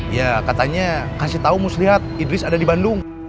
ya katanya kasih tahu muslihat idris ada di bandung